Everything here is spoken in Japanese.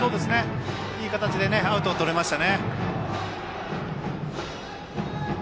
いい形でアウトとれました。